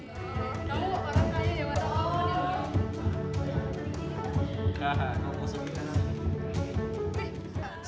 nah kalau mau serius kita langsung